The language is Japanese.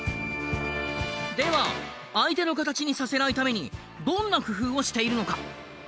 では相手の形にさせないためにどんな工夫をしているのか？